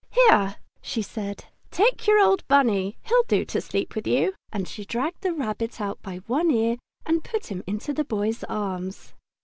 "Here," she said, "take your old Bunny! He'll do to sleep with you!" And she dragged the Rabbit out by one ear, and put him into the Boy's arms.